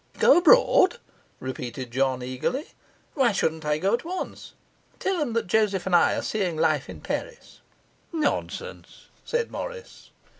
'Go abroad?' repeated John eagerly. 'Why shouldn't I go at once? Tell 'em that Joseph and I are seeing life in Paris.' 'Nonsense,' said Morris.